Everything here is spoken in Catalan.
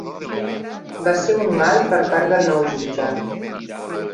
Va ser un mal per part del nou jutge.